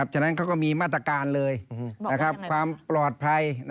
ฉะนั้นเขาก็มีมาตรการเลยความปลอดภัย